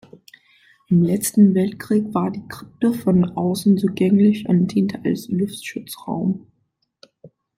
Im letzten Weltkrieg war die Krypta von außen zugänglich und diente als Luftschutzraum.